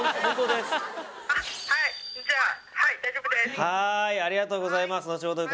はーいありがとうございます